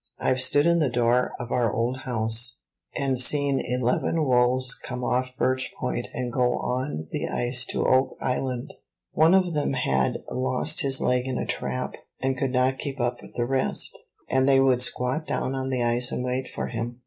I've stood in the door of our old house, and seen eleven wolves come off Birch Point and go on the ice to Oak Island: one of them had lost his leg in a trap, and could not keep up with the rest, and they would squat down on the ice and wait for him.